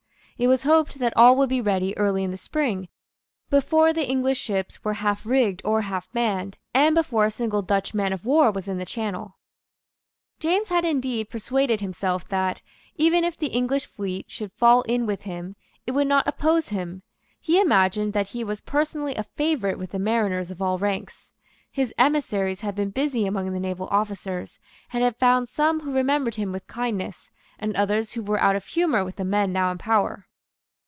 It was hoped that all would be ready early in the spring, before the English ships were half rigged or half manned, and before a single Dutch man of war was in the Channel. James had indeed persuaded himself that, even if the English fleet should fall in with him, it would not oppose him. He imagined that he was personally a favourite with the mariners of all ranks. His emissaries had been busy among the naval officers, and had found some who remembered him with kindness, and others who were out of humour with the men now in power.